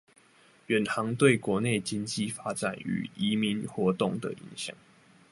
遠航對國內經濟發展與移民活動的影響